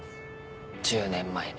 １０年前に。